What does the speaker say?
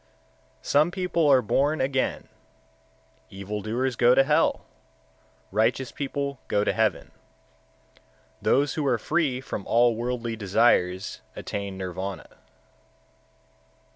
126. Some people are born again; evil doers go to hell; righteous people go to heaven; those who are free from all worldly desires attain Nirvana.